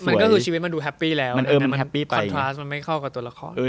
มันก็คือชีวิตมันดูแฮปปี้แล้วคอนทราสมันไม่เข้ากับตัวละคร